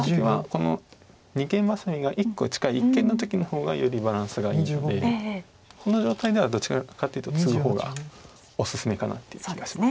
この二間バサミが１個近い一間の時の方がよりバランスがいいのでこの状態ではどちらかというとツグ方がおすすめかなという気がします。